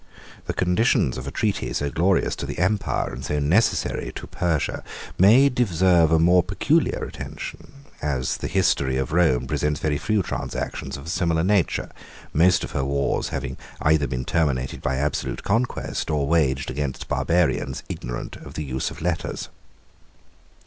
The conditions of a treaty so glorious to the empire, and so necessary to Persia, may deserve a more peculiar attention, as the history of Rome presents very few transactions of a similar nature; most of her wars having either been terminated by absolute conquest, or waged against barbarians ignorant of the use of letters.